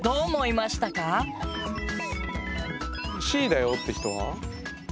Ｃだよって人は？